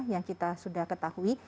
yang kita sudah ketahui